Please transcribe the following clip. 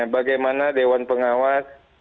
bagaimana dewan pengawas